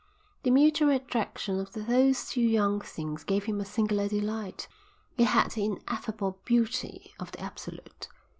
The mutual attraction of those two young things gave him a singular delight. It had the ineffable beauty of the Absolute.